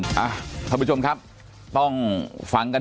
แต่คุณยายจะขอย้ายโรงเรียน